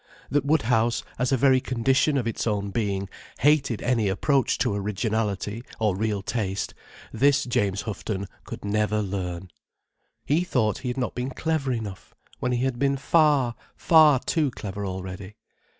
That Woodhouse, as a very condition of its own being, hated any approach to originality or real taste, this James Houghton could never learn. He thought he had not been clever enough, when he had been far, far too clever already.